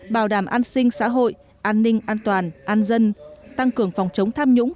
bảo đảm an sinh xã hội an ninh an toàn an dân tăng cường phòng chống tham nhũng